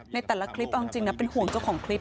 ในแต่ละคลิปเป็นหว่าเจ้าของคลิป